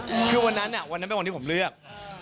คือวันนั้นอ่ะวันนั้นเป็นวันที่ผมเลือก